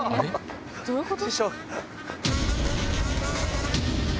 どういうこと？